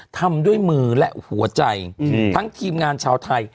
ทำด้วยมือและหัวใจทั้งทีมงานชาวไทย